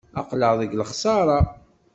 Aql-aɣ deg lexsara.